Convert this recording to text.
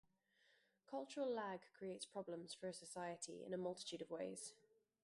Cultural lag creates problems for a society in a multitude of ways.